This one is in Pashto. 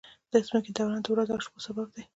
د ځمکې دوران د ورځو او شپو سبب دی.